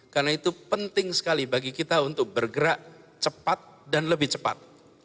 karena itu penting sekali bagi kita untuk bergerak cepat dan lebih cepat